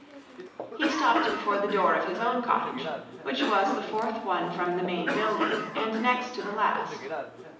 He stopped before the door of his own cottage, which was the fourth one from the main building and next to the last.